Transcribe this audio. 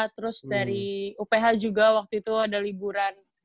terus dari uph juga waktu itu ada liburan